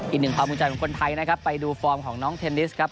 อีกหนึ่งความภูมิใจของคนไทยนะครับไปดูฟอร์มของน้องเทนนิสครับ